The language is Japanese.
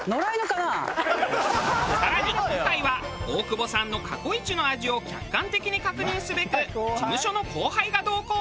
更に今回は大久保さんの過去イチの味を客観的に確認すべく事務所の後輩が同行。